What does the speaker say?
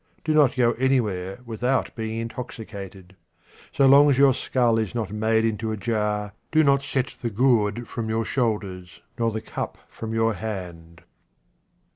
Do not go anywhere without being intoxicated. So long as your skull is not made into a jar, do not set the gourd from your shoulders nor the cup from your hand.